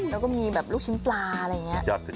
แล้วก็มีแบบลูกชิ้นปลาอะไรอย่างนี้